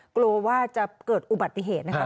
กลัวว่าจะเกิดอุบัติเหตุนะคะ